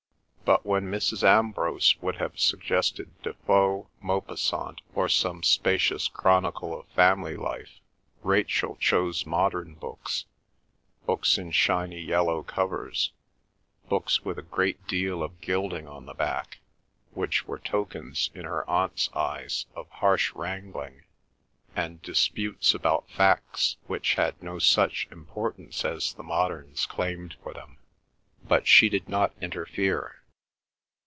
But when Mrs. Ambrose would have suggested Defoe, Maupassant, or some spacious chronicle of family life, Rachel chose modern books, books in shiny yellow covers, books with a great deal of gilding on the back, which were tokens in her aunt's eyes of harsh wrangling and disputes about facts which had no such importance as the moderns claimed for them. But she did not interfere.